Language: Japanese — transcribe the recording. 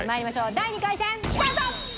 第２回戦スタート！